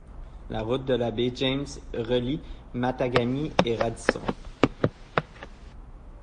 La route de la Baie-James relie Matagami et Radisson.